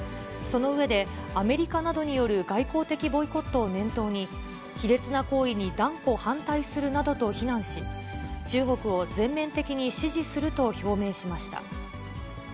その上で、アメリカなどによる外交的ボイコットを念頭に、卑劣な行為に断固反対するなどと非難し、中国を全面的に支持すると表明しました。